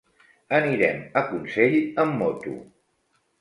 Anirem a Consell amb moto.